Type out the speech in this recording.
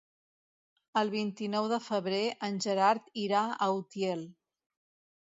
El vint-i-nou de febrer en Gerard irà a Utiel.